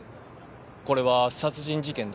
これは殺人事件だって。